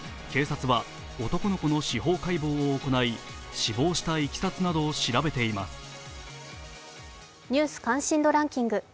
警察は男の子の司法解剖を行い死亡したいきさつなどを調べています。